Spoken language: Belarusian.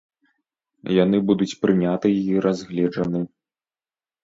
Яны будуць прыняты і разгледжаны.